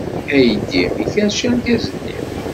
Aydi ikerrec argaz-nni.